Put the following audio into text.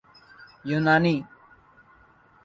یونانی